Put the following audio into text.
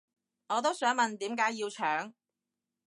我都想問點解要搶